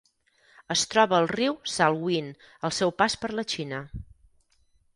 Es troba al riu Salween al seu pas per la Xina.